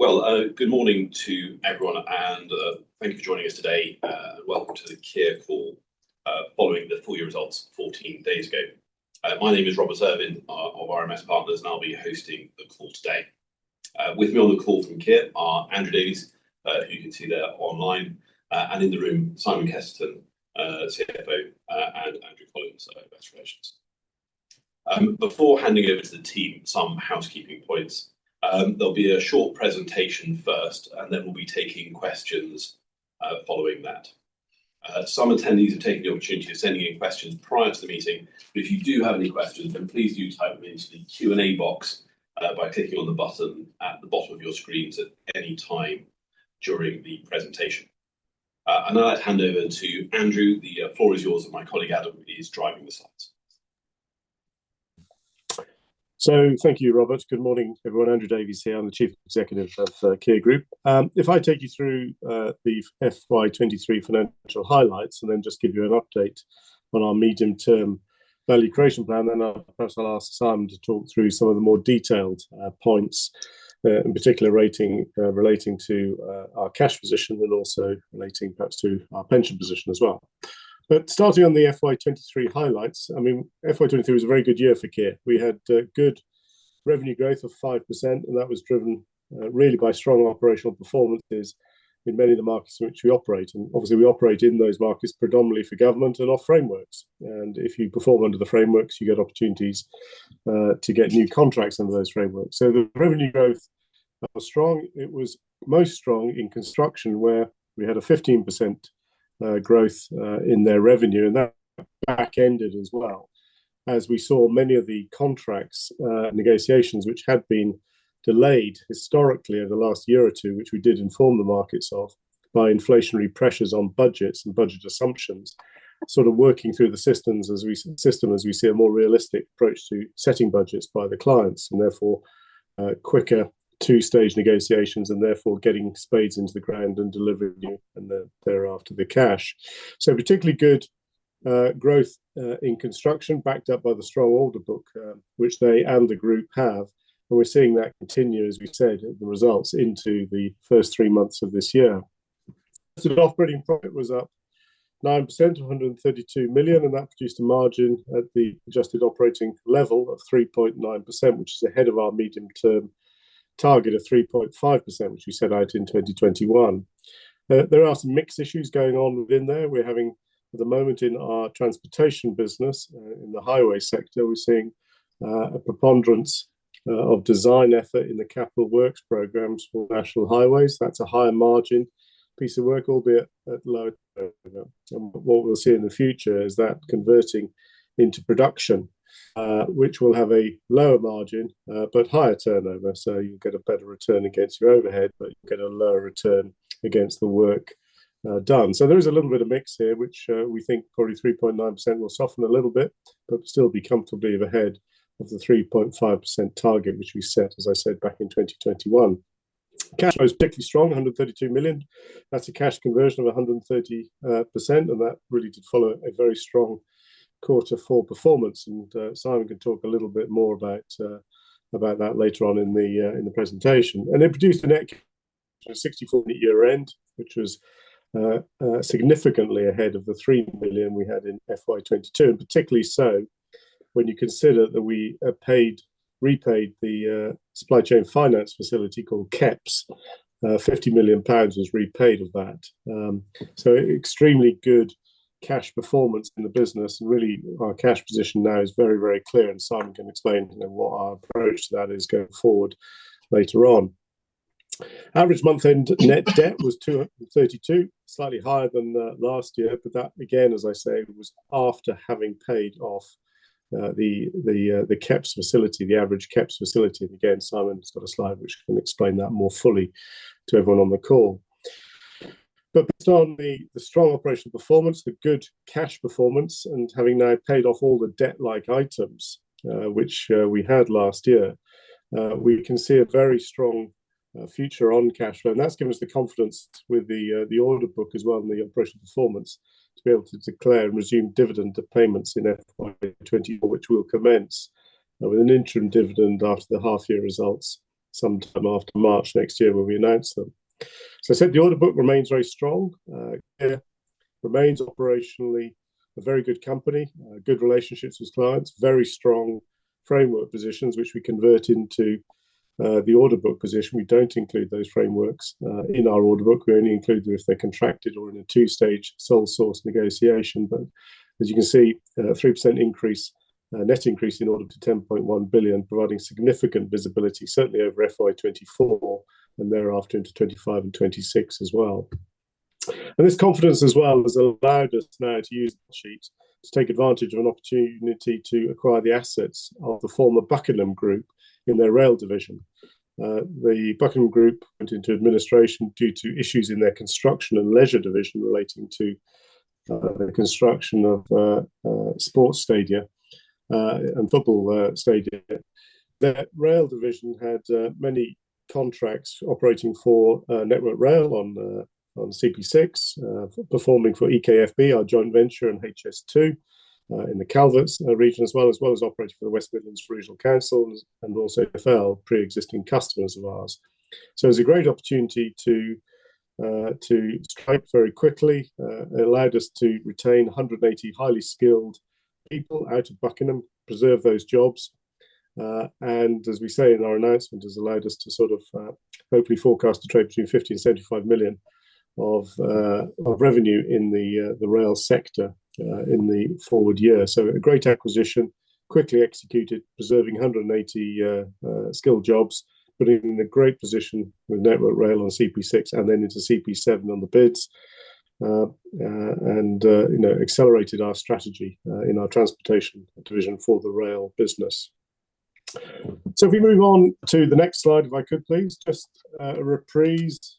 Well, good morning to everyone, and thank you for joining us today. Welcome to the Kier call, following the full year results 14 days ago. My name is Robert Irvine, of RMS Partners, and I'll be hosting the call today. With me on the call from Kier are Andrew Davies, who you can see there online, and in the room, Simon Kesterton, CFO, and Andrew Collins, our Investor Relations. Before handing over to the team, some housekeeping points. There'll be a short presentation first, and then we'll be taking questions, following that. Some attendees have taken the opportunity of sending in questions prior to the meeting, but if you do have any questions, then please do type them into the Q&A box by clicking on the button at the bottom of your screens at any time during the presentation. And now I'd hand over to Andrew. The floor is yours, and my colleague, Adam, is driving the slides. So thank you, Robert. Good morning, everyone. Andrew Davies here. I'm the Chief Executive of Kier Group. If I take you through the FY 2023 financial highlights and then just give you an update on our medium-term value creation plan, then first I'll ask Simon to talk through some of the more detailed points, in particular relating to our cash position and also relating perhaps to our pension position as well. But starting on the FY 2023 highlights, I mean, FY 2023 was a very good year for Kier. We had good revenue growth of 5%, and that was driven really by strong operational performances in many of the markets in which we operate, and obviously, we operate in those markets predominantly for government and on frameworks. If you perform under the frameworks, you get opportunities to get new contracts under those frameworks. The revenue growth was strong. It was most strong in construction, where we had a 15% growth in their revenue, and that back-ended as well. As we saw many of the contracts negotiations, which had been delayed historically over the last year or two, which we did inform the markets of, by inflationary pressures on budgets and budget assumptions, sort of working through the systems as we see a more realistic approach to setting budgets by the clients and therefore quicker two-stage negotiations and therefore getting spades into the ground and delivering, and thereafter, the cash. So particularly good growth in construction, backed up by the strong order book, which they and the group have, and we're seeing that continue, as we said, the results into the first three months of this year. So the operating profit was up 9% to 132 million, and that produced a margin at the adjusted operating level of 3.9%, which is ahead of our medium-term target of 3.5%, which we set out in 2021. There are some mixed issues going on within there. We're having, at the moment in our transportation business, in the highway sector, we're seeing a preponderance of design effort in the capital works programs for National Highways. That's a higher margin piece of work, albeit at low turnover. What we'll see in the future is that converting into production, which will have a lower margin, but higher turnover, so you'll get a better return against your overhead, but you'll get a lower return against the work done. So there is a little bit of mix here, which, we think probably 3.9% will soften a little bit, but still be comfortably ahead of the 3.5% target, which we set, as I said, back in 2021. Cash flow is particularly strong, 132 million. That's a cash conversion of 130%, and that really did follow a very strong quarter for performance, and, Simon can talk a little bit more about that later on in the presentation. And it produced a net 64 at year-end, which was significantly ahead of the 3 million we had in FY 2022, and particularly so when you consider that we repaid the supply chain finance facility called KEPS. 50 million pounds was repaid of that. So extremely good cash performance in the business, and really, our cash position now is very, very clear, and Simon can explain, you know, what our approach to that is going forward later on. Average month-end net debt was 232, slightly higher than last year, but that, again, as I say, was after having paid off the KEPS facility, the average KEPS facility. And again, Simon's got a slide which can explain that more fully to everyone on the call. But based on the strong operational performance, the good cash performance, and having now paid off all the debt-like items, which we had last year, we can see a very strong future on cash flow. And that's given us the confidence with the order book as well, and the operational performance, to be able to declare and resume dividend payments in FY 2024, which will commence with an interim dividend after the half-year results, sometime after March next year, when we announce them. So I said the order book remains very strong. Kier remains operationally a very good company, good relationships with clients, very strong framework positions, which we convert into the order book position. We don't include those frameworks in our order book. We only include them if they're contracted or in a two-stage sole source negotiation. But as you can see, 3% increase, net increase in order book to 10.1 billion, providing significant visibility, certainly over FY 2024, and thereafter into 2025 and 2026 as well. And this confidence as well has allowed us now to use the sheet to take advantage of an opportunity to acquire the assets of the former Buckingham Group in their rail division. The Buckingham Group went into administration due to issues in their construction and leisure division relating to the construction of sports stadia and football stadia. The rail division had many contracts operating for Network Rail on CP6, performing for EKFB, our joint venture, and HS2 in the Calvert's region, as well as operating for the West Midlands Regional Council and also TfL, pre-existing customers of ours. So it was a great opportunity to strike very quickly. It allowed us to retain 180 highly skilled people out of Buckingham, preserve those jobs. And as we say in our announcement, has allowed us to sort of hopefully forecast a trade between 50-75 million of revenue in the rail sector in the forward year. So a great acquisition, quickly executed, preserving 180 skilled jobs, but in a great position with Network Rail on CP6 and then into CP7 on the bids. And you know, accelerated our strategy in our transportation division for the rail business. So if we move on to the next slide, if I could please, just a reprise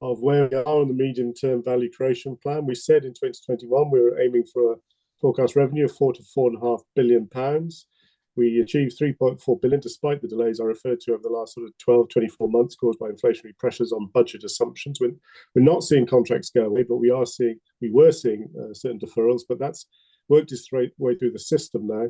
of where we are on the medium-term value creation plan. We said in 2021 we were aiming for a forecast revenue of 4 billion-4.5 billion pounds. We achieved 3.4 billion, despite the delays I referred to over the last sort of 12, 24 months, caused by inflationary pressures on budget assumptions. We're not seeing contracts go away, but we are seeing we were seeing certain deferrals, but that's worked its straight way through the system now.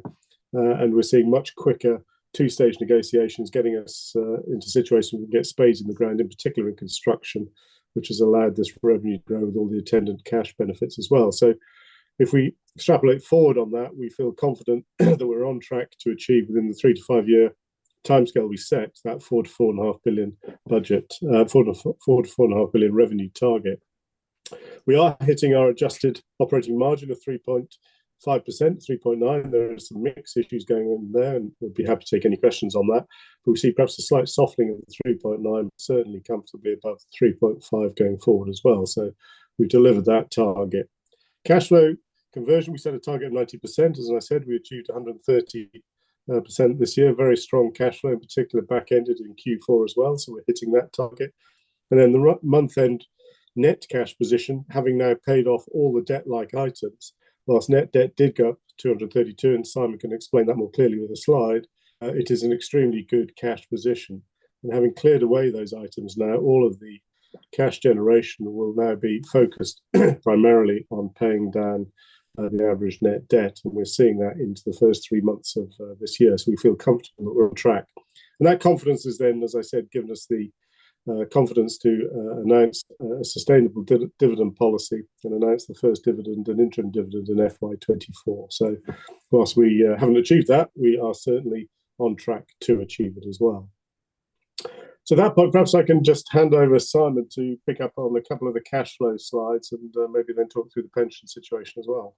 And we're seeing much quicker two-stage negotiations getting us into a situation where we can get spades in the ground, in particular in construction, which has allowed this revenue to grow with all the attendant cash benefits as well. So if we extrapolate forward on that, we feel confident that we're on track to achieve within the 3- to 5-year timescale we set, that 4 billion- to 4.5 billion budget, four to four and a half billion revenue target. We are hitting our adjusted operating margin of 3.5%, 3.9. There are some mix issues going on there, and we'll be happy to take any questions on that. But we see perhaps a slight softening of the 3.9, but certainly comfortably above 3.5% going forward as well. So we've delivered that target. Cash flow conversion, we set a target of 90%. As I said, we achieved 130% this year. Very strong cash flow, in particular, back-ended in Q4 as well, so we're hitting that target. And then the month-end net cash position, having now paid off all the debt-like items, while net debt did go up to 232, and Simon can explain that more clearly with a slide. It is an extremely good cash position, and having cleared away those items now, all of the cash generation will now be focused primarily on paying down the average net debt, and we're seeing that into the first three months of this year. So we feel comfortable that we're on track. And that confidence has then, as I said, given us the confidence to announce a sustainable dividend policy and announce the first dividend, an interim dividend in FY 2024. So while we haven't achieved that, we are certainly on track to achieve it as well. At that point, perhaps I can just hand over to Simon to pick up on a couple of the cash flow slides and, maybe then talk through the pension situation as well.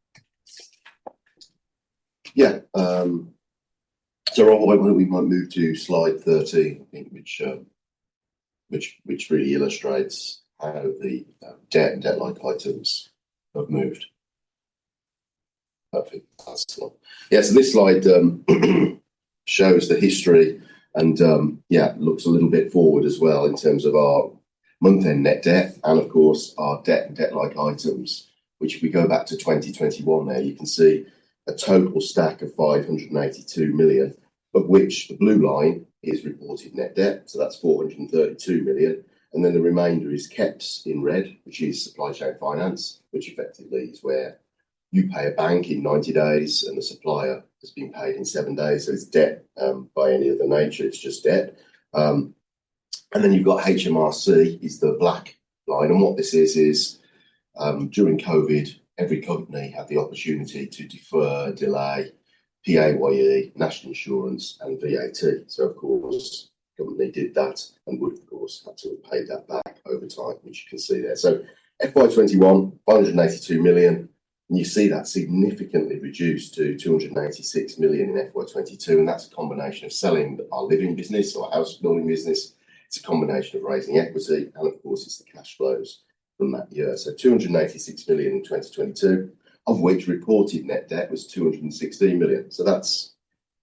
Yeah, so we might move to slide 13, I think, which really illustrates how the debt and debt-like items have moved. Perfect. That's the one. Yeah, so this slide shows the history and yeah, looks a little bit forward as well in terms of our month-end net debt and of course our debt and debt-like items, which if we go back to 2021 now, you can see a total stack of 582 million, but which the blue line is reported net debt, so that's 432 million. And then the remainder is kept in red, which is supply chain finance, which effectively is where you pay a bank in 90 days, and the supplier has been paid in 7 days. So it's debt by any other nature, it's just debt. And then you've got HMRC is the black line, and what this is, is, during COVID, every company had the opportunity to defer, delay, PAYE, National Insurance, and VAT. So of course, government did that and would, of course, have to pay that back over time, which you can see there. So FY 2021, 582 million, and you see that significantly reduced to 286 million in FY 2022, and that's a combination of selling our living business, our house building business. It's a combination of raising equity and of course, it's the cash flows from that year. So 286 million in 2022, of which reported net debt was 216 million. So that's,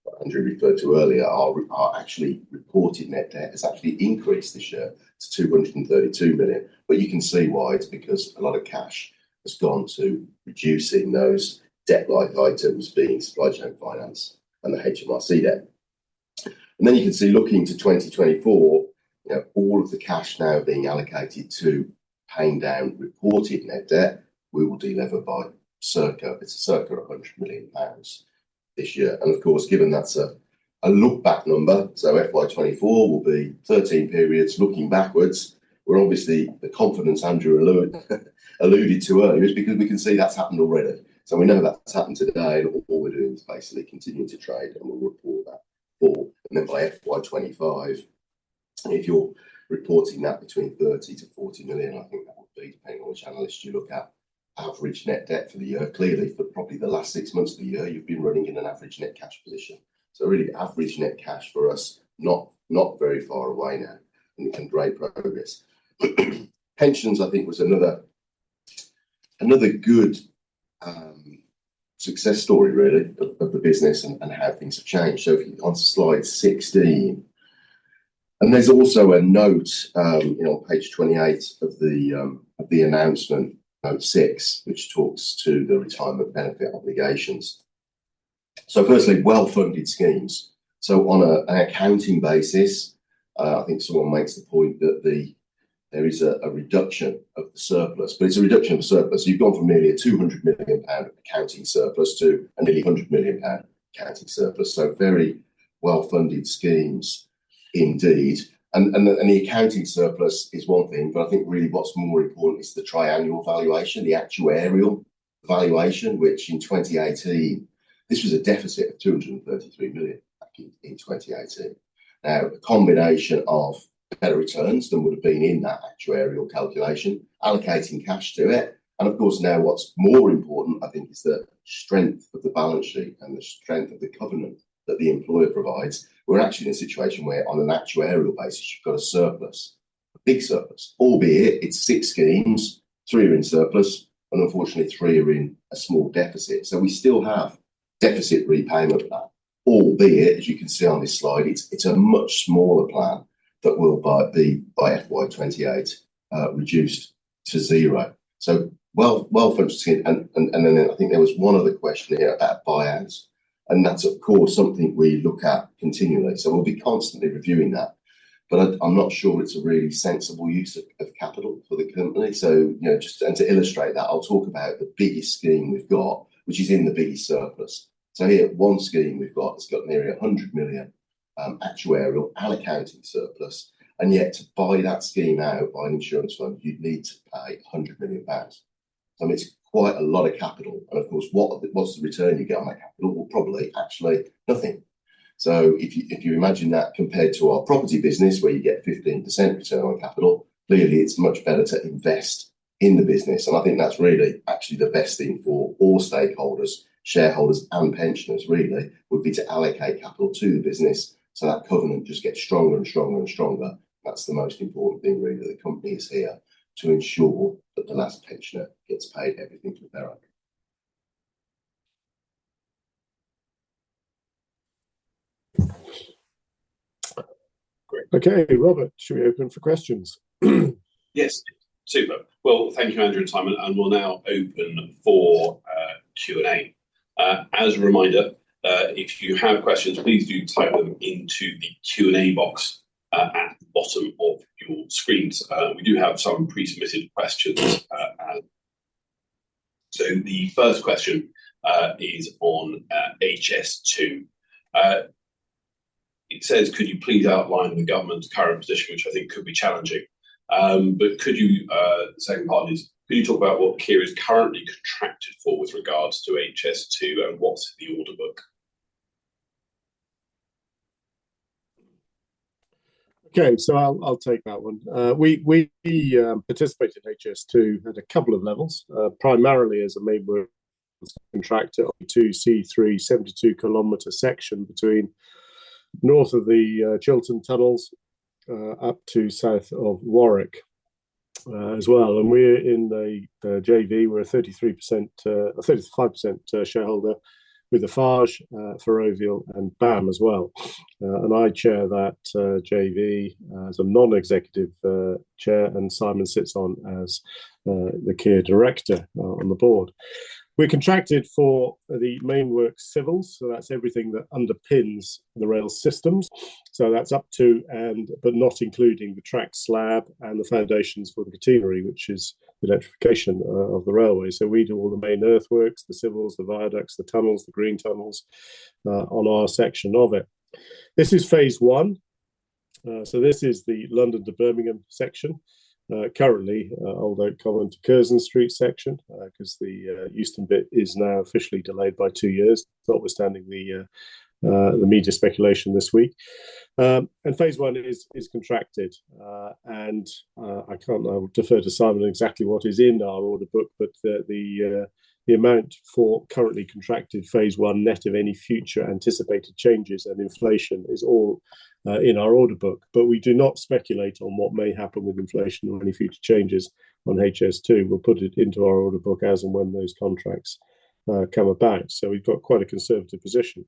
what Andrew referred to earlier, our, our actually reported net debt has actually increased this year to 232 million. But you can see why, it's because a lot of cash has gone to reducing those debt-like items, being supply chain finance and the HMRC debt. And then you can see, looking to 2024, you know, all of the cash now being allocated to paying down reported net debt, we will delever by circa, it's circa 100 million pounds this year. And of course, given that's a look-back number, so FY 2024 will be 13 periods looking backwards. We're obviously the confidence Andrew alluded to earlier is because we can see that's happened already. So we know that's happened today, and all we're doing is basically continuing to trade, and we'll report that forward. And then by FY 2025, if you're reporting that between 30 to 40 million, I think that would be, depending on which analyst you look at, average net debt for the year. Clearly, for probably the last six months of the year, you've been running in an average net cash position. So really average net cash for us, not very far away now, and we've made great progress. Pensions, I think, was another good success story, really, of the business and how things have changed. So if you on slide 16. And there's also a note on page 28 of the announcement, note 6, which talks to the retirement benefit obligations. So firstly, well-funded schemes. So on an accounting basis, I think someone makes the point that there is a reduction of the surplus, but it's a reduction of surplus. You've gone from nearly a 200 million pound accounting surplus to nearly a 100 million pound accounting surplus, so very well-funded schemes indeed. And the accounting surplus is one thing, but I think really what's more important is the triennial valuation, the actuarial valuation, which in 2018, this was a deficit of 233 million back in 2018. Now, a combination of better returns than would've been in that actuarial calculation, allocating cash to it, and of course, now what's more important, I think, is the strength of the balance sheet and the strength of the covenant that the employer provides. We're actually in a situation where on an actuarial basis, you've got a surplus, a big surplus, albeit it's six schemes, three are in surplus, and unfortunately, three are in a small deficit. So we still have deficit repayment plan, albeit, as you can see on this slide, it's a much smaller plan that will by the... by FY 2028, reduced to zero. So well, well-funded scheme. And, and, and then I think there was one other question here about buyouts, and that's of course, something we look at continually, so we'll be constantly reviewing that. But I, I'm not sure it's a really sensible use of, of capital for the company. So, you know, just, and to illustrate that, I'll talk about the biggest scheme we've got, which is in the biggest surplus. So here, one scheme we've got has got nearly 100 million actuarial and accounting surplus, and yet to buy that scheme out by an insurance fund, you'd need to pay 100 million pounds. And it's quite a lot of capital, and of course, what, what's the return you get on that capital? Well, probably actually nothing. So if you, if you imagine that compared to our Property business, where you get 15% return on capital, clearly it's much better to invest in the business. And I think that's really actually the best thing for all stakeholders, shareholders, and pensioners really, would be to allocate capital to the business so that covenant just gets stronger and stronger and stronger. That's the most important thing, really, for the company is here to ensure that the last pensioner gets paid everything to their... Great. Okay, Robert, should we open for questions? Yes. Super. Well, thank you, Andrew and Simon, and we'll now open for Q&A. As a reminder, if you have questions, please do type them into the Q&A box at the bottom of your screens. We do have some pre-submitted questions, so the first question is on HS2. It says: Could you please outline the government's current position, which I think could be challenging. The second part is: Could you talk about what Kier is currently contracted for with regards to HS2 and what's in the order book? Okay, so I'll take that one. We participate in HS2 at a couple of levels, primarily as a main works contractor on C2 and C3 72-kilometer section between north of the Chiltern Tunnels up to south of Warwick as well. And we're in the JV. We're a 33%, a 35% shareholder with the Eiffage, Ferrovial, and BAM as well. And I chair that JV as a non-executive chair, and Simon sits on as the Kier director on the board. We're contracted for the main works civils, so that's everything that underpins the rail systems. So that's up to and, but not including the track slab and the foundations for the catenary, which is the electrification of the railway. So we do all the main earthworks, the civils, the viaducts, the tunnels, the green tunnels, on our section of it. This is phase I, so this is the London to Birmingham section. Currently, although Old Oak Common to Curzon Street section, 'cause the Euston bit is now officially delayed by two years, notwithstanding the media speculation this week. Phase I is contracted, and I can't... I will defer to Simon exactly what is in our order book, but the amount for currently contracted phase I, net of any future anticipated changes and inflation, is all in our order book. But we do not speculate on what may happen with inflation or any future changes on HS2. We'll put it into our order book as and when those contracts come about, so we've got quite a conservative position.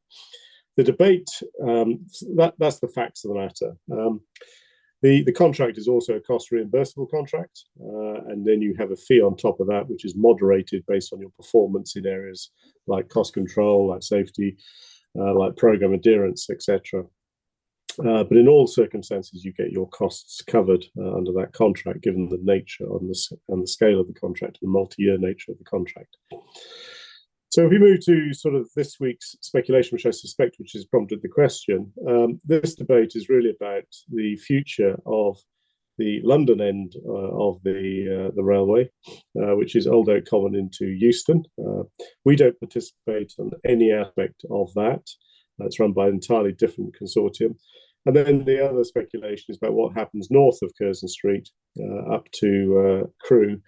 The debate, that's the facts of the matter. The contract is also a cost-reimbursable contract, and then you have a fee on top of that, which is moderated based on your performance in areas like cost control, like safety, like program adherence, et cetera. But in all circumstances, you get your costs covered under that contract, given the nature and the scale of the contract, and the multi-year nature of the contract. So if you move to sort of this week's speculation, which I suspect, which has prompted the question, this debate is really about the future of the London end of the railway, which is Old Oak Common into Euston. We don't participate on any aspect of that. That's run by an entirely different consortium. And then the other speculation is about what happens north of Curzon Street, up to, Crewe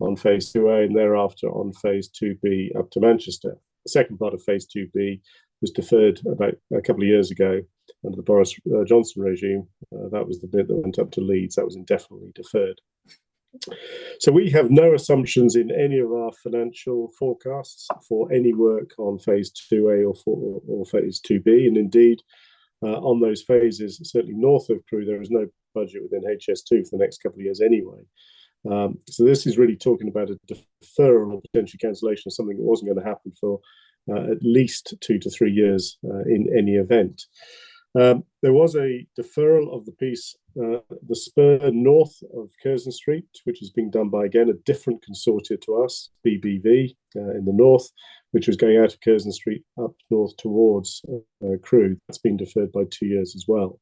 on phase II A, and thereafter on phase II B up to Manchester. The second part of phase II B was deferred about a couple of years ago under the Boris Johnson regime. That was the bit that went up to Leeds. That was indefinitely deferred. So we have no assumptions in any of our financial forecasts for any work on phase II A or phase II B. And indeed, on those phases, certainly north of Crewe, there is no budget within HS2 for the next couple of years anyway. So this is really talking about a deferral or potential cancellation of something that wasn't gonna happen for at least 2-3 years, in any event. There was a deferral of the piece, the spur north of Curzon Street, which is being done by, again, a different consortium to us, BBV, in the north, which was going out of Curzon Street up north towards Crewe. That's been deferred by 2 years as well.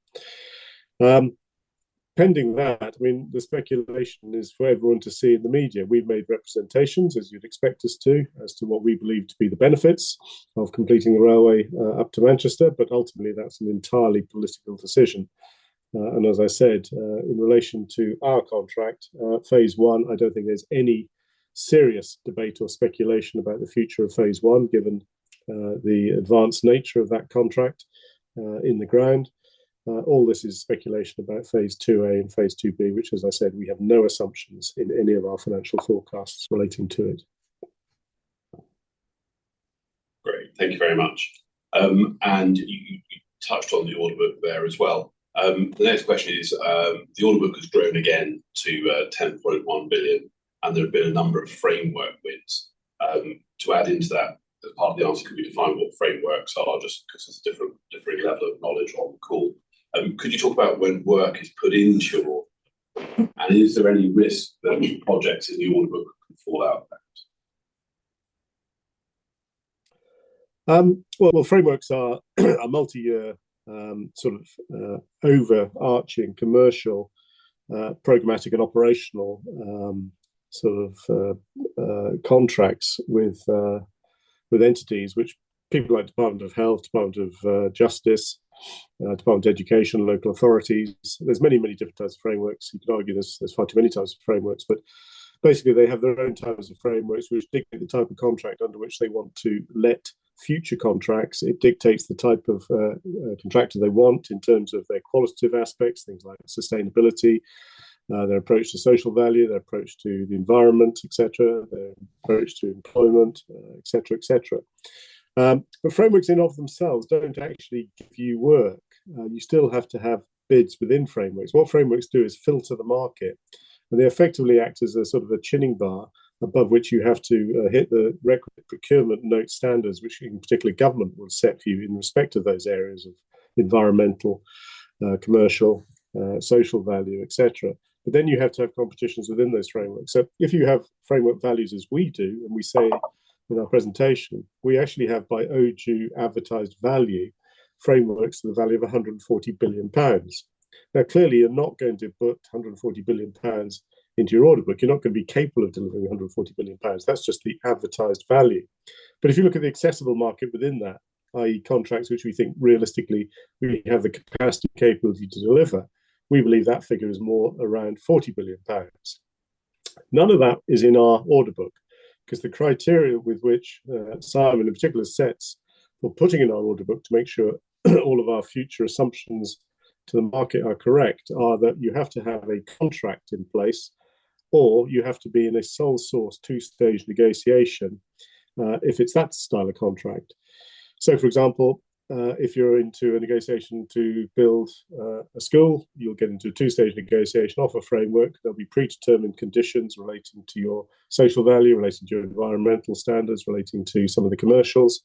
Pending that, I mean, the speculation is for everyone to see in the media. We've made representations, as you'd expect us to, as to what we believe to be the benefits of completing the railway up to Manchester, but ultimately, that's an entirely political decision. As I said, in relation to our contract, Phase I, I don't think there's any serious debate or speculation about the future of Phase I, given the advanced nature of that contract in the ground. All this is speculation about Phase II A and Phase II B, which, as I said, we have no assumptions in any of our financial forecasts relating to it. Great. Thank you very much. And you touched on the order book there as well. The next question is, the order book has grown again to 10.1 billion, and there have been a number of framework bids. To add into that, part of the answer can be defined what frameworks are, just 'cause there's different level of knowledge on the call. Could you talk about when work is put into your order book? And is there any risk that projects in the order book could fall out of that? Well, well, frameworks are multi-year sort of overarching commercial, programmatic and operational sort of contracts with entities which people like Department of Health, Department of Justice, Department of Education, local authorities. There's many, many different types of frameworks. You could argue there's far too many types of frameworks, but basically, they have their own types of frameworks which dictate the type of contract under which they want to let future contracts. It dictates the type of contractor they want in terms of their qualitative aspects, things like sustainability, their approach to social value, their approach to the environment, et cetera, their approach to employment, et cetera, et cetera. But frameworks in of themselves don't actually give you work. You still have to have bids within frameworks. What frameworks do is filter the market, and they effectively act as a sort of a chinning bar above which you have to hit the required procurement note standards, which in particular government will set for you in respect to those areas of environmental, commercial, social value, et cetera. But then you have to have competitions within those frameworks. So if you have framework values as we do, and we say in our presentation, we actually have by OJEU advertised value frameworks to the value of 140 billion pounds. Now, clearly, you're not going to put 140 billion pounds into your order book. You're not gonna be capable of delivering 140 billion pounds. That's just the advertised value. But if you look at the accessible market within that, i.e., contracts, which we think realistically we have the capacity and capability to deliver, we believe that figure is more around 40 billion pounds. None of that is in our order book, 'cause the criteria with which, Simon in particular sets for putting in our order book to make sure all of our future assumptions to the market are correct, are that you have to have a contract in place, or you have to be in a sole source, two-stage negotiation, if it's that style of contract. So, for example, if you're into a negotiation to build, a school, you'll get into a two-stage negotiation offer framework. There'll be predetermined conditions relating to your social value, relating to your environmental standards, relating to some of the commercials.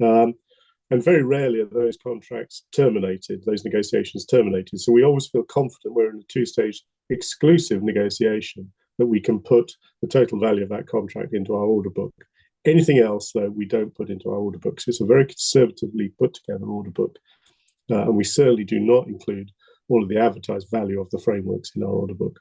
And very rarely are those contracts terminated, those negotiations terminated. So we always feel confident when we're in a two-stage exclusive negotiation, that we can put the total value of that contract into our order book. Anything else, though, we don't put into our order book. So it's a very conservatively put together order book, and we certainly do not include all of the advertised value of the frameworks in our order book.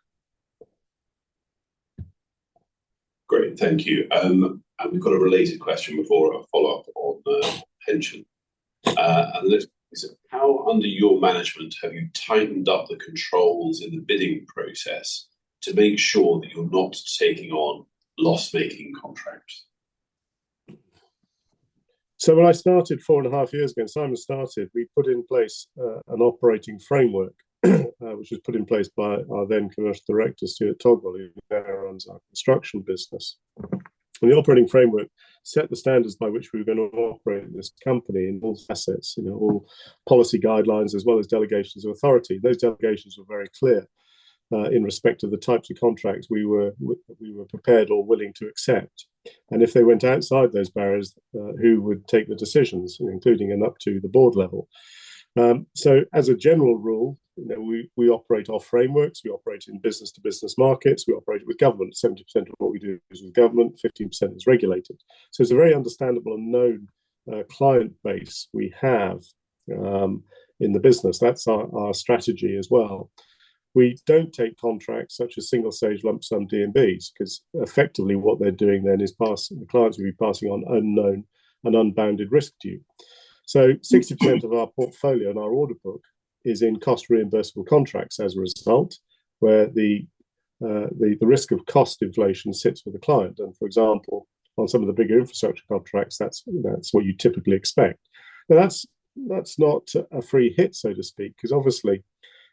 Great. Thank you. And we've got a related question before a follow-up on pension. And this is: How under your management, have you tightened up the controls in the bidding process to make sure that you're not taking on loss-making contracts? So when I started 4.5 years ago, and Simon started, we put in place an operating framework, which was put in place by our then Commercial Director, Stuart Togwell, who now runs our construction business. And the operating framework set the standards by which we were gonna operate this company in all assets, you know, all policy guidelines, as well as delegations of authority. Those delegations were very clear in respect to the types of contracts we were prepared or willing to accept. And if they went outside those barriers, who would take the decisions, including and up to the board level? As a general rule, you know, we operate off frameworks, we operate in business-to-business markets, we operate with government. 70% of what we do is with government, 15% is regulated. So it's a very understandable and known client base we have in the business. That's our, our strategy as well. We don't take contracts such as single stage lump sum D&Bs, 'cause effectively what they're doing then is passing, the clients will be passing on unknown and unbounded risk to you. So 60% of our portfolio and our order book is in cost-reimbursable contracts as a result, where the, the risk of cost inflation sits with the client. And for example, on some of the bigger infrastructure contracts, that's what you typically expect. Now, that's, that's not a free hit, so to speak, because obviously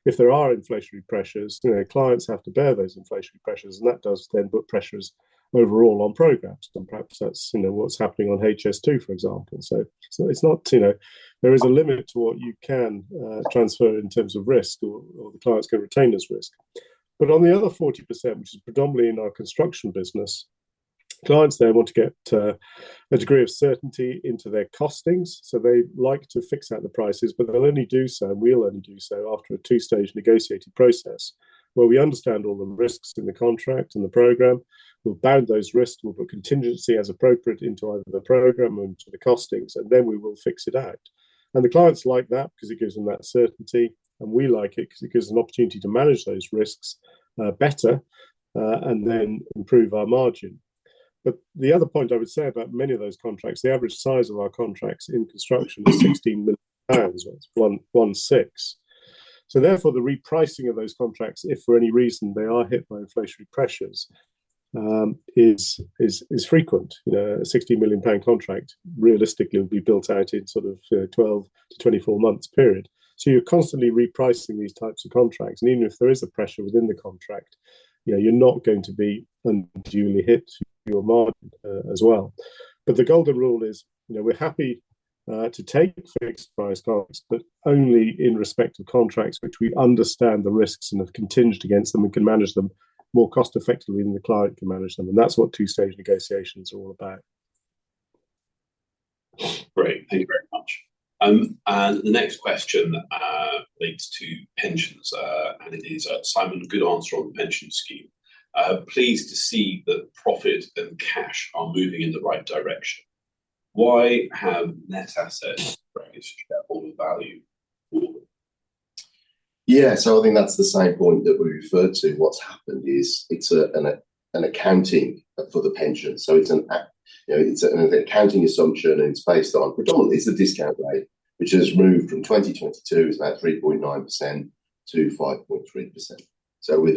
if there are inflationary pressures, you know, clients have to bear those inflationary pressures, and that does then put pressures overall on programs. And perhaps that's, you know, what's happening on HS2, for example. So, it's not, you know, there is a limit to what you can transfer in terms of risk or the clients can retain as risk. But on the other 40%, which is predominantly in our construction business, clients they want to get a degree of certainty into their costings, so they like to fix out the prices, but they'll only do so, and we'll only do so after a two-stage negotiated process, where we understand all the risks in the contract and the program. We'll bound those risks. We'll put contingency as appropriate into either the program or into the costings, and then we will fix it out. The clients like that because it gives them that certainty, and we like it because it gives us an opportunity to manage those risks better and then improve our margin. But the other point I would say about many of those contracts, the average size of our contracts in construction is 16 million pounds, or 1.16. So therefore, the repricing of those contracts, if for any reason they are hit by inflationary pressures, is frequent. You know, a 60 million pound contract realistically will be built out in sort of, 12-24 months period. So you're constantly repricing these types of contracts, and even if there is a pressure within the contract, you know, you're not going to be unduly hit your margin, as well. The golden rule is, you know, we're happy to take fixed price contracts, but only in respect of contracts which we understand the risks and have contingent against them and can manage them more cost effectively than the client can manage them, and that's what two-stage negotiations are all about. Great. Thank you very much. The next question relates to pensions, and it is, "Simon, good answer on the pension scheme. Pleased to see that profit and cash are moving in the right direction. Why have net assets shareholder value fallen? Yeah, so I think that's the same point that we referred to. What's happened is it's an accounting for the pension. So it's an accounting assumption, and it's based on. Predominantly, it's the discount rate, which has moved from 2022, it's about 3.9% to 5.3%. So with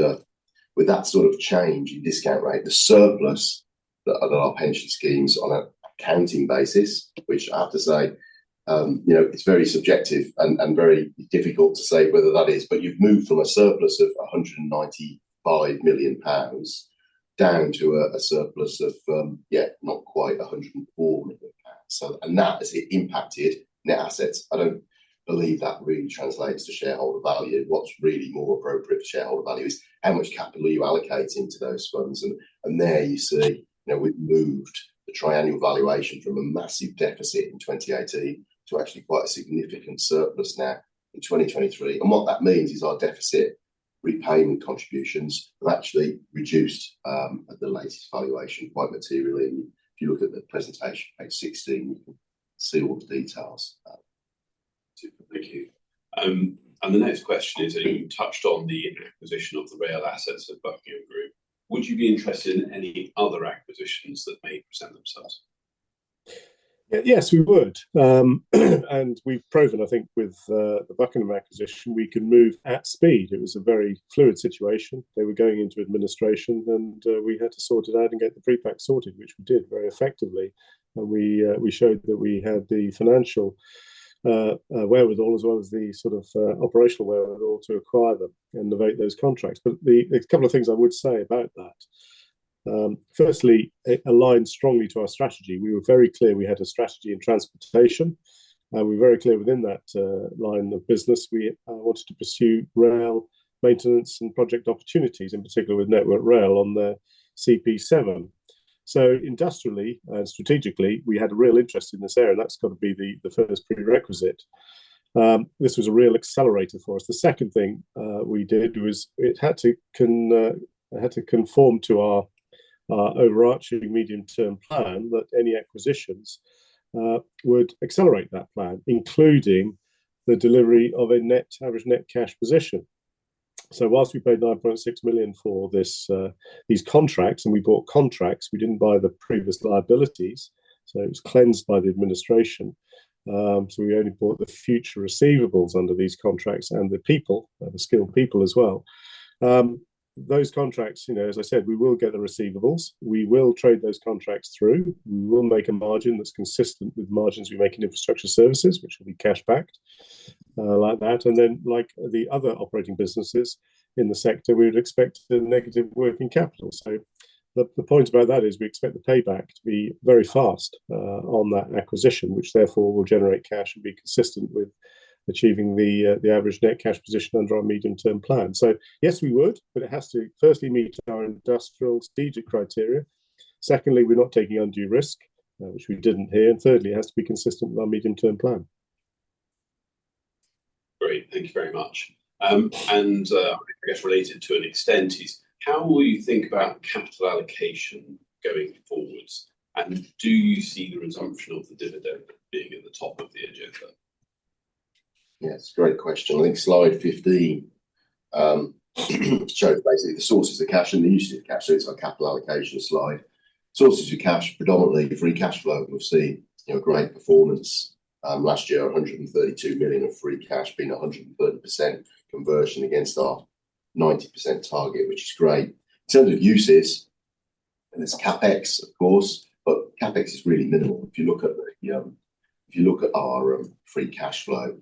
that sort of change in discount rate, the surplus of our pension schemes on an accounting basis, which I have to say, you know, it's very subjective and very difficult to say whether that is, but you've moved from a surplus of 195 million pounds down to a surplus of not quite 104 million pounds. So, and that has impacted net assets. I don't believe that really translates to shareholder value. What's really more appropriate for shareholder value is how much capital are you allocating to those funds? And there you see, you know, we've moved the triennial valuation from a massive deficit in 2018 to actually quite a significant surplus now in 2023. And what that means is our deficit repayment contributions have actually reduced at the latest valuation quite materially. And if you look at the presentation, page 16, you can see all the details of that. Super. Thank you. And the next question is, you touched on the acquisition of the rail assets of Buckingham Group. Would you be interested in any other acquisitions that may present themselves? Yeah. Yes, we would. And we've proven, I think with the Buckingham acquisition, we can move at speed. It was a very fluid situation. They were going into administration, and we had to sort it out and get the prepack sorted, which we did very effectively. And we showed that we had the financial wherewithal, as well as the sort of operational wherewithal to acquire them and innovate those contracts. But the... There's a couple of things I would say about that. Firstly, it aligns strongly to our strategy. We were very clear we had a strategy in transportation, and we were very clear within that line of business, we wanted to pursue rail maintenance and project opportunities, in particular with Network Rail on the CP7. So industrially and strategically, we had a real interest in this area, and that's got to be the first prerequisite. This was a real accelerator for us. The second thing we did was it had to conform to our overarching medium-term plan that any acquisitions would accelerate that plan, including the delivery of a net average net cash position. So whilst we paid 9.6 million for this, these contracts, and we bought contracts, we didn't buy the previous liabilities, so it was cleansed by the administration. So we only bought the future receivables under these contracts, and the people, the skilled people as well. Those contracts, you know, as I said, we will get the receivables. We will trade those contracts through. We will make a margin that's consistent with margins we make in Infrastructure Services, which will be cash-backed, like that, and then, like the other operating businesses in the sector, we would expect a negative working capital. So the point about that is we expect the payback to be very fast, on that acquisition, which therefore will generate cash and be consistent with achieving the average net cash position under our medium-term plan. So yes, we would, but it has to firstly meet our industrial strategic criteria. Secondly, we're not taking undue risk, which we didn't here, and thirdly, it has to be consistent with our medium-term plan. Great. Thank you very much. I guess related to an extent is: How will you think about capital allocation going forward, and do you see the resumption of the dividend being at the top of the agenda? ... Yeah, it's a great question. I think slide 15 shows basically the sources of cash and the usage of cash, so it's our capital allocation slide. Sources of cash, predominantly free cash flow. You'll see, you know, great performance. Last year, 132 million of free cash, being 130% conversion against our 90% target, which is great. In terms of uses, and there's CapEx, of course, but CapEx is really minimal. If you look at our free cash flow,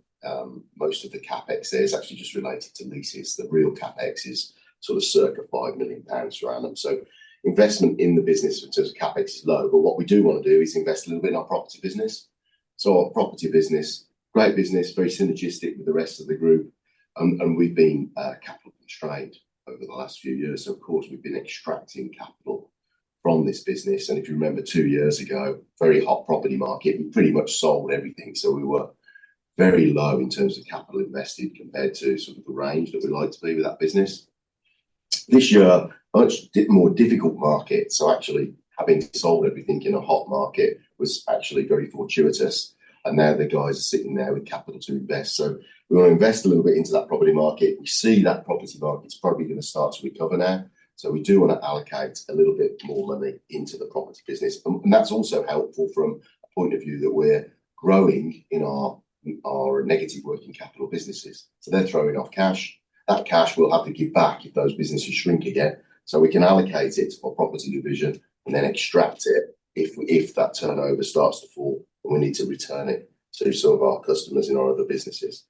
most of the CapEx there is actually just related to leases. The real CapEx is sort of circa 5 million pounds around them. So investment in the business in terms of CapEx is low, but what we do want to do is invest a little bit in our property business. So our property business, great business, very synergistic with the rest of the group, and we've been capital constrained over the last few years. So of course, we've been extracting capital from this business, and if you remember, two years ago, very hot property market. We pretty much sold everything, so we were very low in terms of capital invested compared to sort of the range that we like to be with that business. This year, much more difficult market, so actually, having sold everything in a hot market was actually very fortuitous, and now the guys are sitting there with capital to invest. So we want to invest a little bit into that property market. We see that property market's probably going to start to recover now, so we do want to allocate a little bit more money into the property business. And that's also helpful from a point of view that we're growing in our negative working capital businesses. So they're throwing off cash. That cash we'll have to give back if those businesses shrink again. So we can allocate it to our property division and then extract it if that turnover starts to fall, and we need to return it to some of our customers in our other businesses.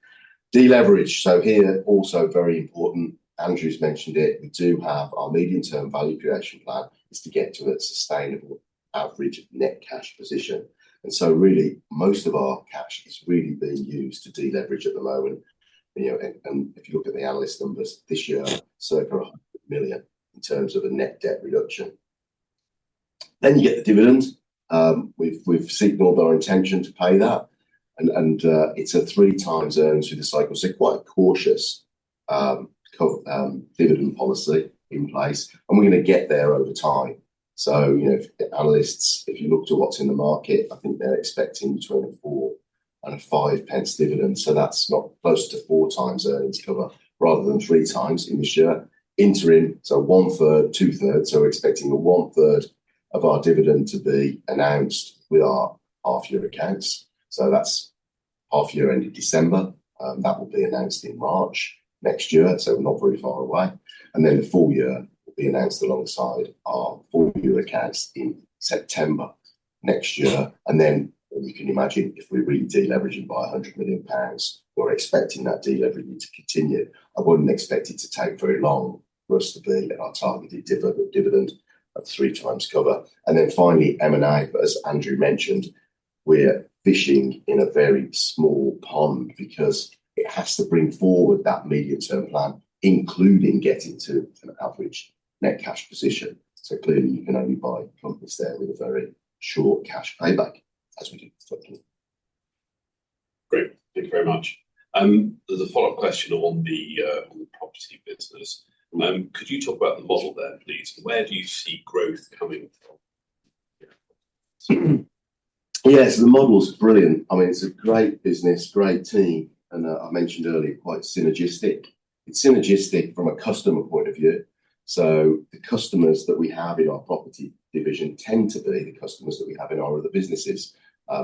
Deleverage, so here, also very important, Andrew's mentioned it. We do have our medium-term value creation plan, is to get to a sustainable average net cash position, and so really, most of our cash is really being used to deleverage at the moment. You know, and if you look at the analyst numbers this year, circa 100 million in terms of a net debt reduction. Then you get the dividend. We've signaled our intention to pay that, and it's a 3x earnings through the cycle, so quite a cautious, co, dividend policy in place, and we're going to get there over time. You know, if analysts, if you look to what's in the market, I think they're expecting between a 4 and a 5 pence dividend, so that's not close to 4x earnings cover rather than 3x in this year. Interim, so one third, two thirds, so we're expecting a one third of our dividend to be announced with our half-year accounts. That's half-year end of December, that will be announced in March next year, so we're not very far away. Then the full year will be announced alongside our full-year accounts in September next year. And then you can imagine, if we're really deleveraging by 100 million pounds, we're expecting that deleveraging to continue. I wouldn't expect it to take very long for us to be at our targeted dividend of 3 times cover. And then finally, M&A, as Andrew mentioned, we're fishing in a very small pond because it has to bring forward that medium-term plan, including getting to an average net cash position. So clearly, you can only buy companies there with a very short cash payback, as we did with Buckingham. Great. Thank you very much. There's a follow-up question on the property business. Could you talk about the model there, please? Where do you see growth coming from? Yeah. Yes, the model's brilliant. I mean, it's a great business, great team, and I mentioned earlier, quite synergistic. It's synergistic from a customer point of view. So the customers that we have in our property division tend to be the customers that we have in our other businesses.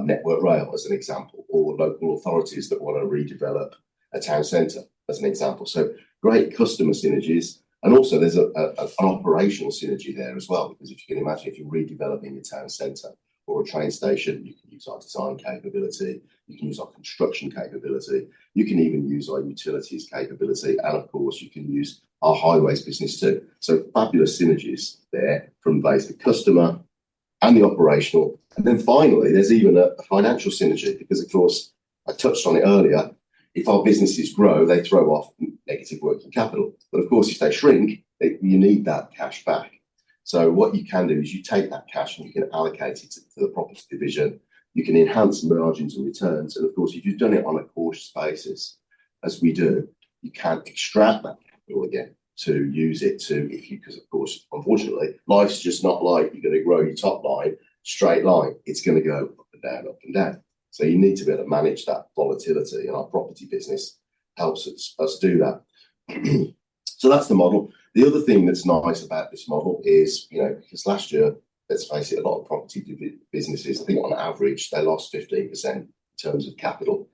Network Rail, as an example, or the local authorities that want to redevelop a town center, as an example. So great customer synergies, and also there's an operational synergy there as well. Because if you can imagine, if you're redeveloping a town center or a train station, you can use our design capability, you can use our construction capability, you can even use our utilities capability, and of course, you can use our highways business, too. So fabulous synergies there from both the customer and the operational. And then finally, there's even a, a financial synergy because, of course, I touched on it earlier. If our businesses grow, they throw off negative working capital. But of course, if they shrink, they, you need that cash back. So what you can do is you take that cash, and you can allocate it to the property division. You can enhance margins and returns, and of course, if you've done it on a cautious basis, as we do, you can extract that capital again to use it to... If you, because of course, unfortunately, life's just not like you're going to grow your top line, straight line. It's going to go up and down, up and down. So you need to be able to manage that volatility, and our property business helps us, us do that. So that's the model. The other thing that's nice about this model is, you know, because last year, let's face it, a lot of property businesses, I think on average, they lost 15% in terms of capital.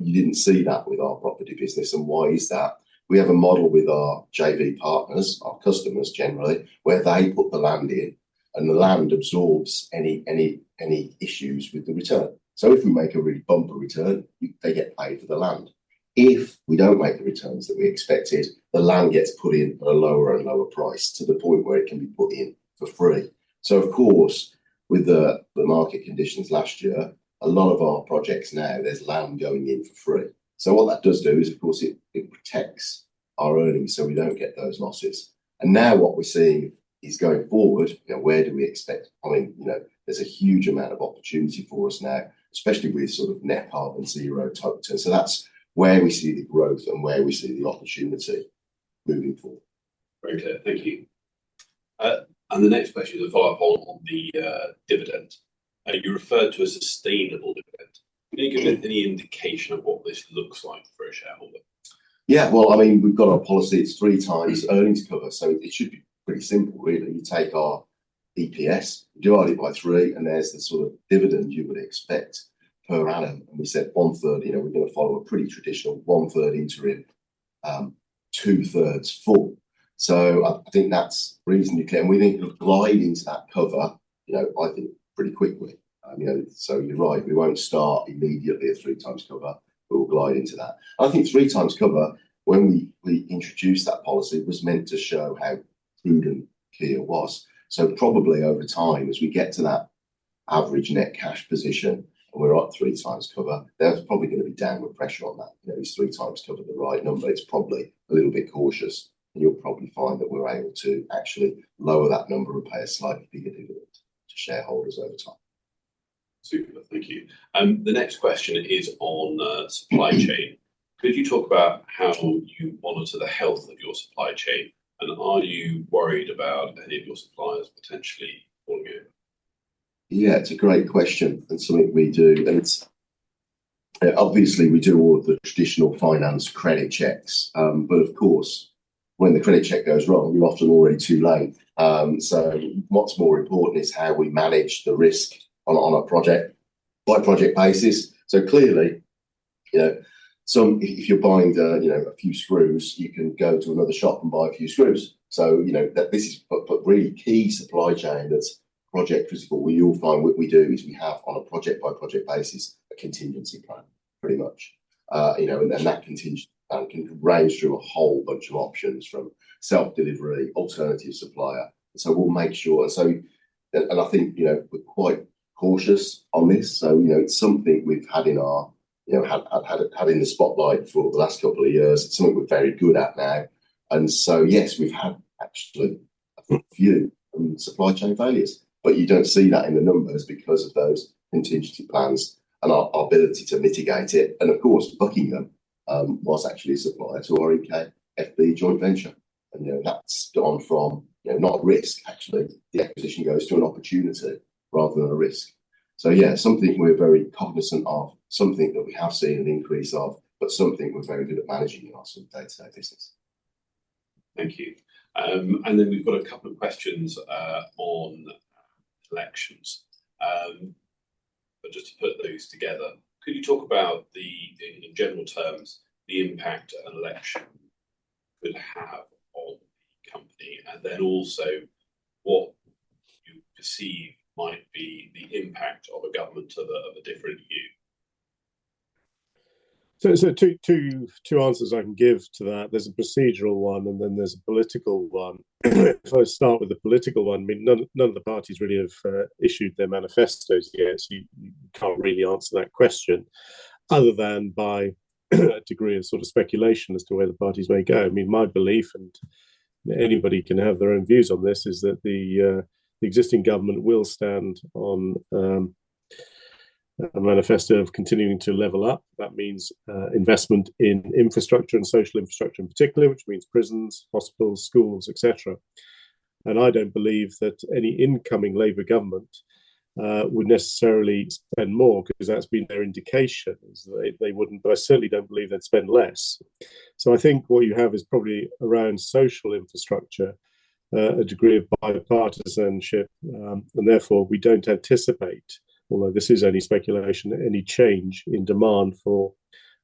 You didn't see that with our property business, and why is that? We have a model with our JV partners, our customers generally, where they put the land in, and the land absorbs any issues with the return. So if we make a really bumper return, they get paid for the land. If we don't make the returns that we expected, the land gets put in at a lower and lower price, to the point where it can be put in for free. So of course, with the market conditions last year, a lot of our projects now, there's land going in for free. So what that does do is, of course, it protects our earnings, so we don't get those losses. Now what we're seeing is going forward, you know, where do we expect... I mean, you know, there's a huge amount of opportunity for us now, especially with sort of net zero targets. That's where we see the growth and where we see the opportunity moving forward. Okay, thank you. And the next question is a follow-up on the dividend. You referred to a sustainable dividend. Can you give any indication of what this looks like for a shareholder? Yeah, well, I mean, we've got a policy. It's 3 times earnings cover, so it should be pretty simple really. You take our EPS, divide it by 3, and there's the sort of dividend you would expect per annum. And we said 1/3, you know, we're gonna follow a pretty traditional 1/3 interim, 2/3 full. So I think that's reasonably clear, and we think we'll glide into that cover, you know, I think pretty quickly. You know, so you're right, we won't start immediately at 3 times cover, but we'll glide into that. I think 3 times cover, when we introduced that policy, it was meant to show how prudent Kier was. So probably over time, as we get to that average net cash position and we're at 3 times cover, there's probably gonna be downward pressure on that. You know, is 3x cover the right number? It's probably a little bit cautious, and you'll probably find that we're able to actually lower that number and pay a slightly bigger dividend to shareholders over time. Super. Thank you. The next question is on supply chain. Could you talk about how you monitor the health of your supply chain, and are you worried about any of your suppliers potentially falling in? Yeah, it's a great question, and something we do, and it's obviously we do all of the traditional finance credit checks. But of course, when the credit check goes wrong, you're often already too late. So what's more important is how we manage the risk on a project-by-project basis. So clearly, you know, some, if you're buying, you know, a few screws, you can go to another shop and buy a few screws. So, you know, that this is, but, but really key supply chain, that's project critical. You'll find what we do is we have, on a project-by-project basis, a contingency plan, pretty much. You know, and then that contingency plan can range through a whole bunch of options, from self-delivery, alternative supplier. So we'll make sure, so, and, and I think, you know, we're quite cautious on this. So, you know, it's something we've had in the spotlight for the last couple of years. It's something we're very good at now. And so, yes, we've had actually a few supply chain failures, but you don't see that in the numbers because of those contingency plans and our ability to mitigate it. And of course, Buckingham was actually a supplier to EKFB joint venture. And, you know, that's gone from, you know, a risk, actually, the acquisition goes to an opportunity rather than a risk. So yeah, something we're very cognizant of, something that we have seen an increase of, but something we're very good at managing in our day-to-day business. Thank you. And then we've got a couple of questions on elections. But just to put those together, could you talk about the, in general terms, the impact an election could have on the company? And then also, what you perceive might be the impact of a government of a different view. So two answers I can give to that. There's a procedural one, and then there's a political one. If I start with the political one, I mean, none of the parties really have issued their manifestos yet, so you can't really answer that question other than by a degree of sort of speculation as to where the parties may go. I mean, my belief, and anybody can have their own views on this, is that the existing government will stand on a manifesto of continuing to level up. That means investment in infrastructure and social infrastructure in particular, which means prisons, hospitals, schools, et cetera. And I don't believe that any incoming Labour government would necessarily spend more, because that's been their indication, is they wouldn't, but I certainly don't believe they'd spend less. So I think what you have is probably around social infrastructure, a degree of bipartisanship. And therefore, we don't anticipate, although this is only speculation, any change in demand for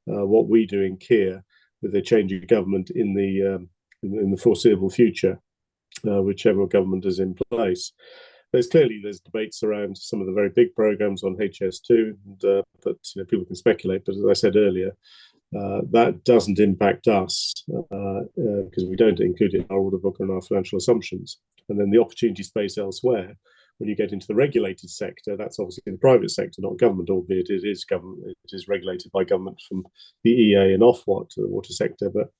what we do in Kier with a change in government in the foreseeable future, whichever government is in place. There's clearly debates around some of the very big programs on HS2, and but, you know, people can speculate. But as I said earlier, that doesn't impact us because we don't include it in our order book and our financial assumptions. And then the opportunity space elsewhere, when you get into the regulated sector, that's obviously in the private sector, not government, albeit it is government. It is regulated by government from the EA and Ofwat to the water sector. But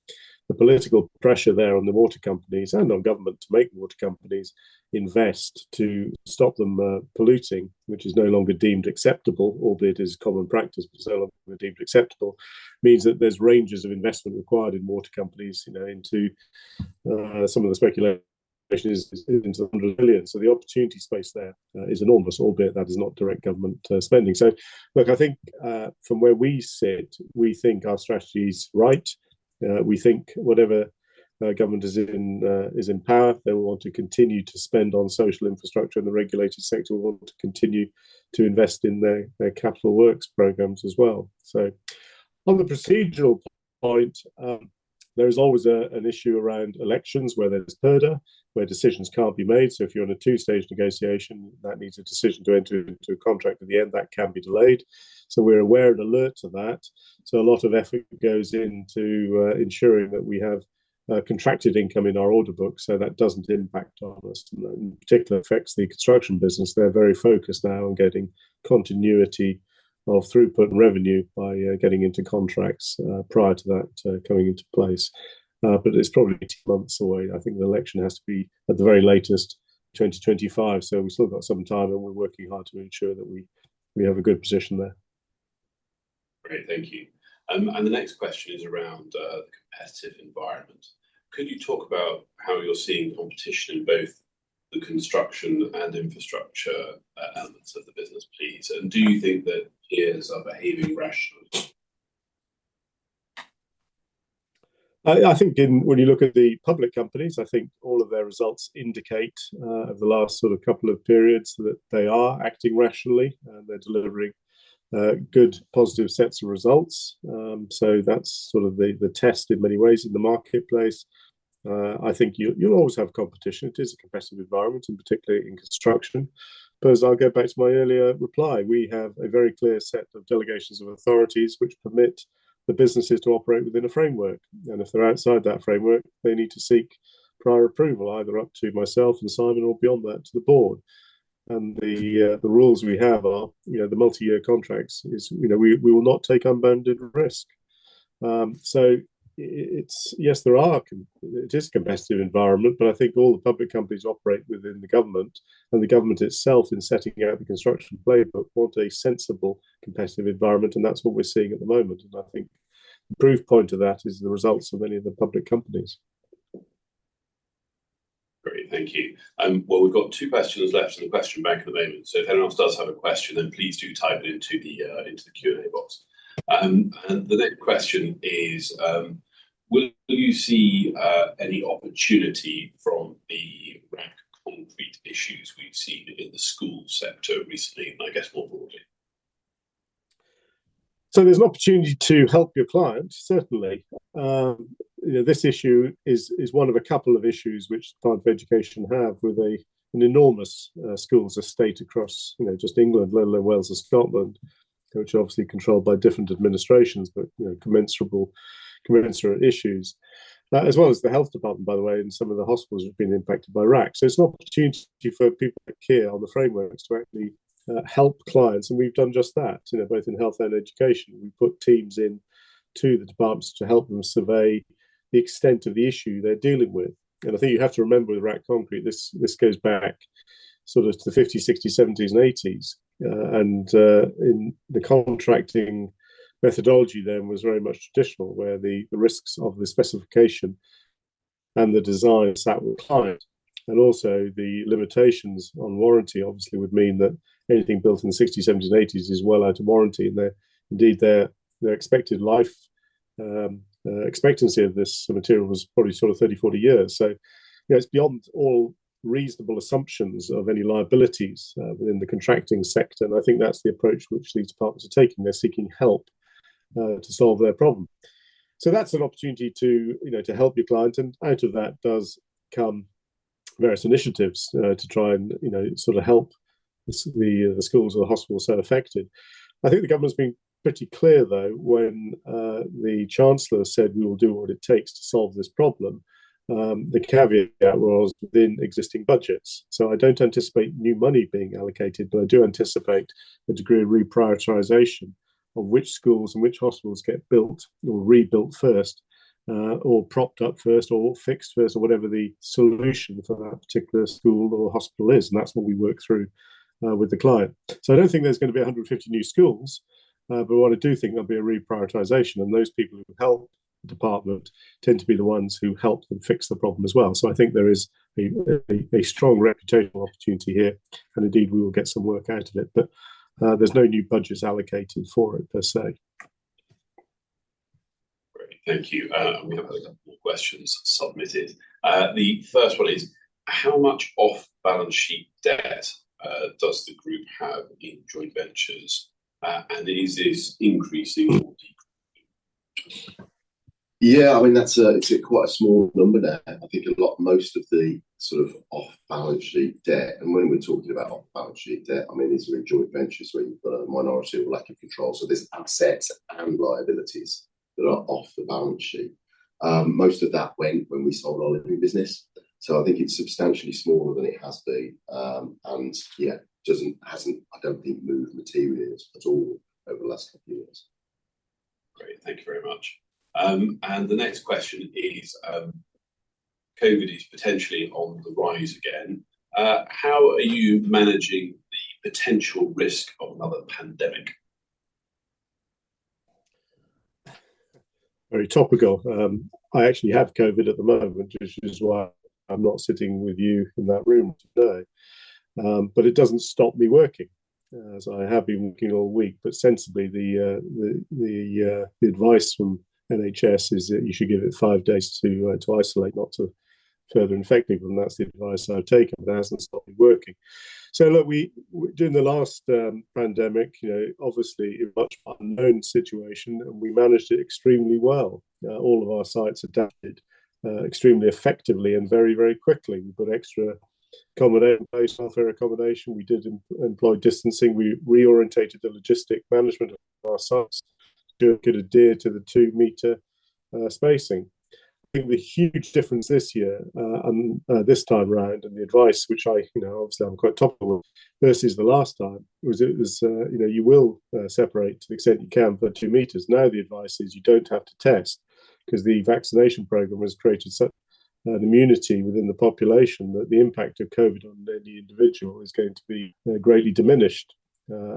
the political pressure there on the water companies, and on government to make water companies invest to stop them polluting, which is no longer deemed acceptable, albeit is common practice, but no longer deemed acceptable, means that there's ranges of investment required in water companies, you know, into some of the speculation is into 100 billion. So the opportunity space there is enormous, albeit that is not direct government spending. So look, I think from where we sit, we think our strategy is right. We think whatever government is in is in power, they will want to continue to spend on social infrastructure, and the regulated sector will want to continue to invest in their capital works programs as well. So on the procedural point, there is always a, an issue around elections, where there's purdah, where decisions can't be made. So if you're in a two-stage negotiation, that needs a decision to enter into a contract at the end, that can be delayed. So we're aware and alert to that. So a lot of effort goes into ensuring that we have contracted income in our order book, so that doesn't impact on us. And that in particular affects the construction business. They're very focused now on getting continuity of throughput and revenue by getting into contracts prior to that coming into place. But it's probably two months away. I think the election has to be, at the very latest, 2025. So we've still got some time, and we're working hard to ensure that we, we have a good position there. Great. Thank you. The next question is around the competitive environment. Could you talk about how you're seeing competition in both the construction and infrastructure elements of the business, please? And do you think that peers are behaving rationally? I think when you look at the public companies, I think all of their results indicate over the last sort of couple of periods that they are acting rationally, and they're delivering good, positive sets of results. So that's sort of the test in many ways in the marketplace. I think you'll always have competition. It is a competitive environment, and particularly in construction. But as I'll go back to my earlier reply, we have a very clear set of delegations of authorities which permit the businesses to operate within a framework, and if they're outside that framework, they need to seek prior approval, either up to myself and Simon or beyond that to the board. And the rules we have are, you know, the multi-year contracts is, you know, we will not take unbounded risk. It is a competitive environment, but I think all the public companies operate within the government, and the government itself, in setting out the Construction Playbook, want a sensible, competitive environment, and that's what we're seeing at the moment, and I think proof point to that is the results of any of the public companies. Great, thank you. Well, we've got two questions left in the question bank at the moment, so if anyone else does have a question, then please do type it into the Q&A box. And the next question is: will you see any opportunity from the cracked concrete issues we've seen in the school sector recently, and I guess more broadly? So there's an opportunity to help your clients, certainly. You know, this issue is one of a couple of issues which the Department of Education have with an enormous schools estate across, you know, just England, let alone Wales and Scotland, which are obviously controlled by different administrations, but, you know, commensurate issues. That, as well as the health department, by the way, and some of the hospitals have been impacted by RAAC. So it's an opportunity for people like Kier on the framework to actually help clients, and we've done just that, you know, both in health and education. We've put teams in to the departments to help them survey the extent of the issue they're dealing with. And I think you have to remember, with the RAAC concrete, this goes back sort of to the 1950s, 1960s, 1970s, and 1980s. In the contracting methodology then was very much traditional, where the risks of the specification and the design sat with the client. Also the limitations on warranty obviously would mean that anything built in the '60s, '70s, and '80s is well out of warranty, and, indeed, their expected life expectancy of this material was probably sort of 30, 40 years. So, you know, it's beyond all reasonable assumptions of any liabilities within the contracting sector, and I think that's the approach which these departments are taking. They're seeking help to solve their problem. So that's an opportunity to, you know, to help your client, and out of that does come various initiatives to try and, you know, sort of help the schools or the hospitals that are affected. I think the government's been pretty clear, though, when the Chancellor said, "We will do what it takes to solve this problem," the caveat was within existing budgets. So I don't anticipate new money being allocated, but I do anticipate a degree of reprioritization of which schools and which hospitals get built or rebuilt first, or propped up first, or fixed first, or whatever the solution for that particular school or hospital is, and that's what we work through with the client. So I don't think there's gonna be 150 new schools, but what I do think there'll be a reprioritization, and those people who help the department tend to be the ones who help them fix the problem as well. So I think there is a strong reputational opportunity here, and indeed, we will get some work out of it, but there's no new budgets allocated for it per se. Great, thank you. We have a couple more questions submitted. The first one is: How much off-balance-sheet debt does the group have in joint ventures, and is this increasing or decreasing? Yeah, I mean, that's a, it's a quite a small number now. I think a lot, most of the sort of off-balance-sheet debt, and when we're talking about off-balance-sheet debt, I mean, these are in joint ventures where you've got a minority or lack of control, so there's assets and liabilities that are off the balance sheet. Most of that went when we sold our Liberty business, so I think it's substantially smaller than it has been. And yeah, doesn't, hasn't, I don't think, moved materially at all over the last couple years. Great. Thank you very much. And the next question is, COVID is potentially on the rise again. How are you managing the potential risk of another pandemic? Very topical. I actually have COVID at the moment, which is why I'm not sitting with you in that room today. But it doesn't stop me working, as I have been working all week. But sensibly, the advice from NHS is that you should give it five days to isolate, not to further infect people, and that's the advice I've taken, but that hasn't stopped me working. So look, we, during the last pandemic, you know, obviously a much unknown situation, and we managed it extremely well. All of our sites adapted extremely effectively and very, very quickly. We've got extra accommodation, temporary accommodation. We did employ distancing. We reoriented the logistics management of our sites to adhere to the two-meter spacing. I think the huge difference this year and this time around, and the advice, which I, you know, obviously I'm quite topical of, versus the last time, was it was, you know, you will separate to the extent you can by two meters. Now, the advice is you don't have to test, 'cause the vaccination program has created such an immunity within the population that the impact of COVID on any individual is going to be greatly diminished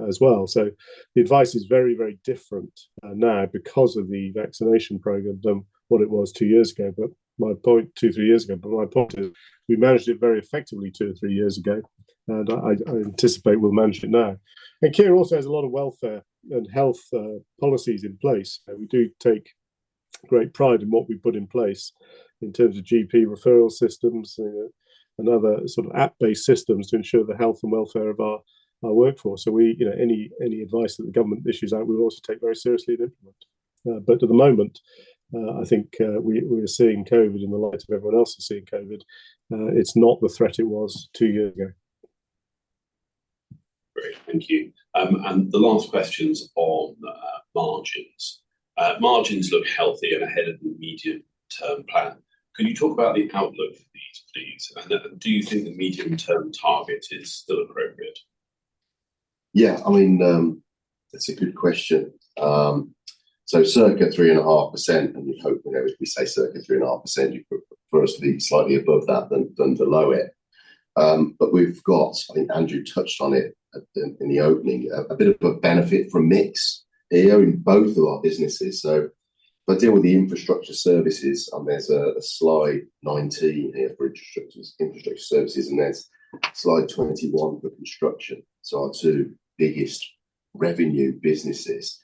as well. So the advice is very, very different now because of the vaccination program, than what it was two years ago. But my point, two, three years ago, but my point is we managed it very effectively two or three years ago, and I anticipate we'll manage it now. And Kier also has a lot of welfare and health, policies in place, and we do take great pride in what we've put in place in terms of GP referral systems and other sort of app-based systems to ensure the health and welfare of our, our workforce. So we, you know, any, any advice that the government issues out, we will also take very seriously and implement. But at the moment, I think, we, we're seeing COVID in the light of everyone else is seeing COVID. It's not the threat it was two years ago. Great, thank you. And the last question's on margins. Margins look healthy and ahead of the medium-term plan. Can you talk about the outlook for these, please? And, do you think the medium-term target is still appropriate? Yeah, I mean, that's a good question. So circa 3.5%, and we hope, you know, we say circa 3.5%, you prefer us to be slightly above that than below it. But we've got, I think Andrew touched on it in the opening, a bit of a benefit from mix here in both of our businesses. So if I deal with the infrastructure services, and there's a slide 19 here for infrastructure services, and there's slide 21 for construction. So our two biggest revenue businesses.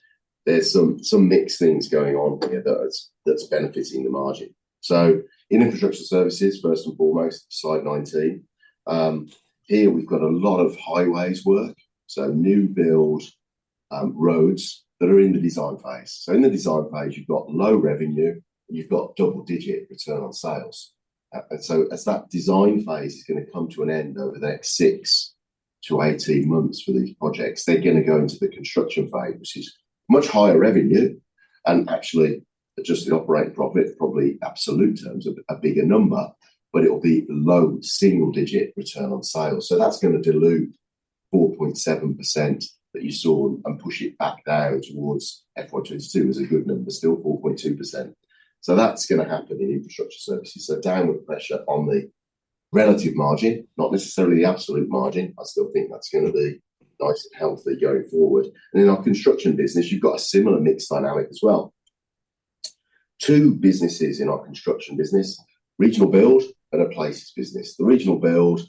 There's some mixed things going on here that's benefiting the margin. So in infrastructure services, first and foremost, slide 19. Here we've got a lot of highways work, so new build roads that are in the design phase. So in the design phase, you've got low revenue, and you've got double-digit return on sales. So as that design phase is gonna come to an end over the next 6-18 months for these projects, they're gonna go into the construction phase, which is much higher revenue, and actually just the operating profit, probably absolute terms, a bigger number, but it'll be low single digit return on sales. So that's gonna dilute 4.7% that you saw and push it back down towards FY 2022 is a good number, still 4.2%. So that's gonna happen in infrastructure services, so downward pressure on the relative margin, not necessarily the absolute margin. I still think that's gonna be nice and healthy going forward. And in our construction business, you've got a similar mix dynamic as well. Two businesses in our construction business, Regional Build and Places business. The regional build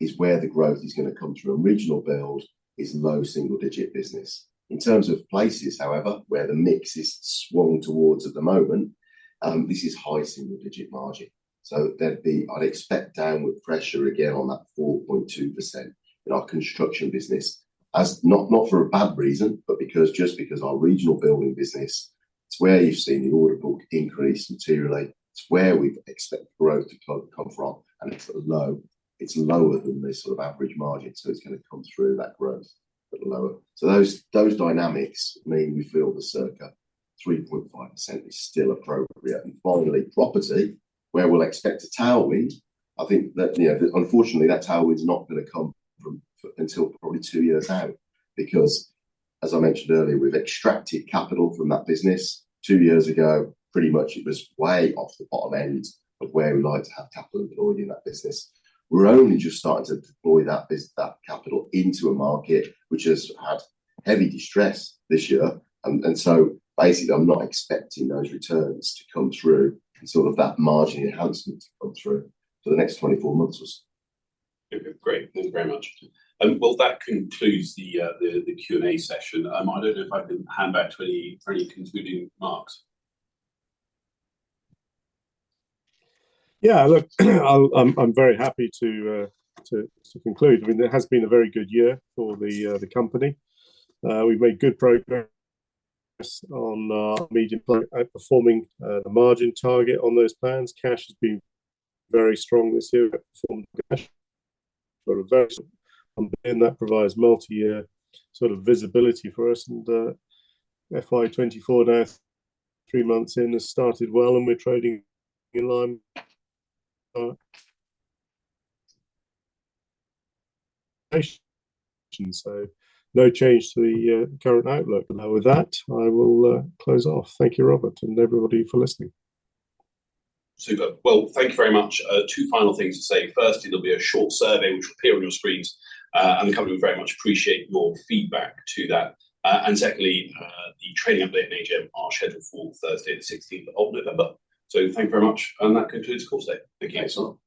is where the growth is gonna come through, and regional build is low single-digit business. In terms of places, however, where the mix is swung towards at the moment, this is high single-digit margin. So there'd be, I'd expect, downward pressure again on that 4.2% in our construction business. As not, not for a bad reason, but because, just because our regional building business, it's where you've seen the order book increase materially. It's where we expect growth to come, come from, and it's low. It's lower than the sort of average margin, so it's gonna come through that growth, but lower. So those, those dynamics mean we feel the circa 3.5% is still appropriate. And finally, property, where we'll expect a tailwind. I think that, you know, unfortunately, that tailwind is not gonna come from until probably two years out. Because, as I mentioned earlier, we've extracted capital from that business two years ago. Pretty much it was way off the bottom end of where we'd like to have capital employed in that business. We're only just starting to deploy that capital into a market, which has had heavy distress this year. And so basically, I'm not expecting those returns to come through and sort of that margin enhancement to come through for the next 24 months or so. Okay. Great. Thank you very much. Well, that concludes the Q&A session. I don't know if I can hand back to any concluding remarks? Yeah, look, I'm very happy to conclude. I mean, it has been a very good year for the company. We've made good progress on our medium outperforming the margin target on those plans. Cash has been very strong this year, performed cash for investment, and that provides multi-year sort of visibility for us. And FY 2024 now, three months in, has started well, and we're trading in line. So no change to the current outlook. And now with that, I will close off. Thank you, Robert, and everybody for listening. Super. Well, thank you very much. Two final things to say. Firstly, there'll be a short survey which will appear on your screens, and the company will very much appreciate your feedback to that. And secondly, the trading update and AGM are scheduled for Thursday, the sixteenth of November. So thank you very much, and that concludes call today. Thank you.